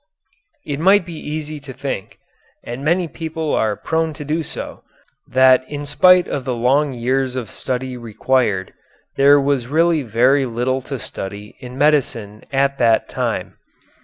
It might be easy to think, and many people are prone to do so, that in spite of the long years of study required there was really very little to study in medicine at that time.